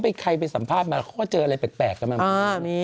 ใครไปสัมภาษณ์มาเขาก็เจออะไรแปลกกันมา